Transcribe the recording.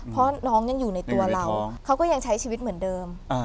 เพราะน้องยังอยู่ในตัวเราเขาก็ยังใช้ชีวิตเหมือนเดิม